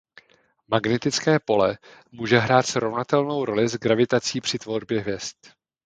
Magnetické pole může hrát srovnatelnou roli s gravitací při tvorbě hvězd.